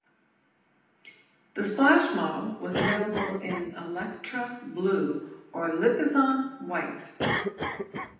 The Splash model was available in Electra Blue or Lipizan White.